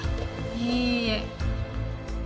いいえ。